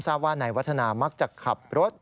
ทราบว่านายวัฒนามักจะขับรถ